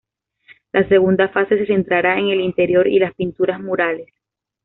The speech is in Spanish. La segunda fase se centrará en el interior y las pinturas murales.